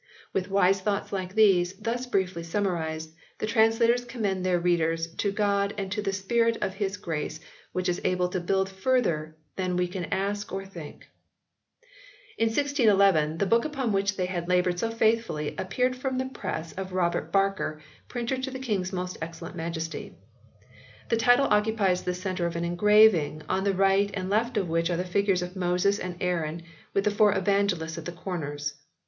With wise thoughts like these, thus briefly summarised, the translators com mend their readers to God and to the Spirit of His grace, which is able to build further than we can ask or think. In 1611 the book upon which they had laboured so faithfully appeared from the press of Robert Barker, Printer to the King s Most Excellent Majesty. The title occupies the centre of an engraving, on the right and left of which are the figures of Moses and Aaron, with the Four Evangelists at the corners.